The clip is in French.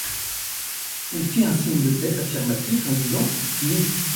Elle fit un signe de tête affirmatif, en disant: — Oui.